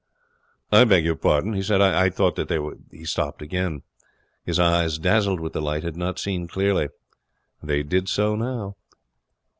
'I beg your pardon,' he said, 'I thought ' He stopped again. His eyes, dazzled with the light, had not seen clearly. They did so now.